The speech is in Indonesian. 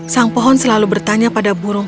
sang pohon selalu bertanya pada burung